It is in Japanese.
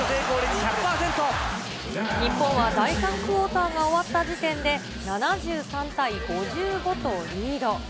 日本は第３クオーターが終わった時点で、７３対５５とリード。